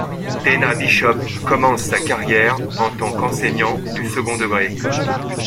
Teina Bishop commence sa carrière en tant qu'enseignant du second degré.